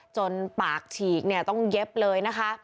จนปากฉีกต้องเย็บเลยนะคะ